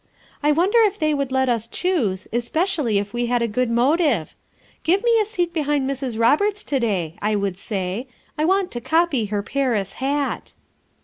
I won der if they would let us choose, especially if we had a good motive. 'Give me a seat be hind Mrs. Roberts to day, 5 1 could say, M want to copy her Paris hat.'